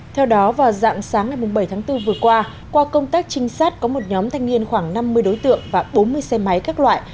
theo đó vào dạng sáng ngày bảy tháng bốn vừa qua qua công tác trinh sát có một nhóm thanh niên khoảng năm mươi đối tượng và bốn mươi xe máy các loại